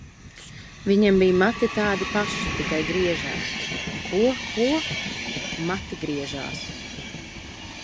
-Viņam bija mati tādi paši, tikai griežās. -Ko, ko? -Mati griežās.